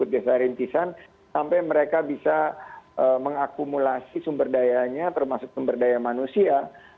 desa rintisan sampai mereka bisa mengakumulasi sumber dayanya termasuk sumber daya manusia